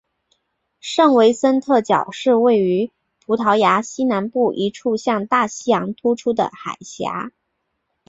圣维森特角是位于葡萄牙西南部一处向大西洋突出的海岬。